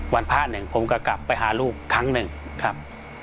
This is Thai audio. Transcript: พระหนึ่งผมก็กลับไปหาลูกครั้งหนึ่งครับ